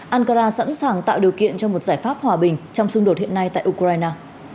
ankara sẵn sàng tạo điều kiện cho một giải pháp hòa bình trong xung đột hiện nay tại ukraine